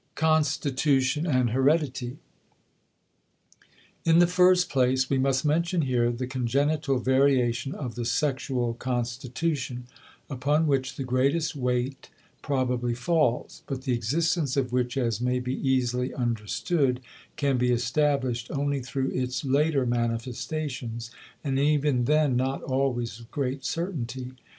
*Constitution and Heredity.* In the first place, we must mention here the congenital variation of the sexual constitution, upon which the greatest weight probably falls, but the existence of which, as may be easily understood, can be established only through its later manifestations and even then not always with great certainty.